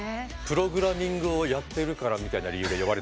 プログラミングをやってるからみたいな理由で呼ばれたんですけども。